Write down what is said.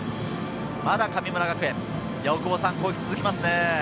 まだ神村学園、攻撃が続きますね。